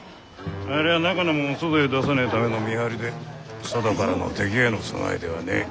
ありゃあ中のもんを外へ出さねえための見張りで外からの敵への備えではねえ。